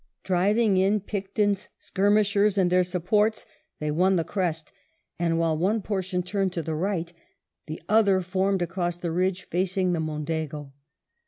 Driving in Picton's skirmishers and their 138 WELLINGTON supports, they won the crest; and while one portion turned to the rights the other formed across the ridge facing the Mondego.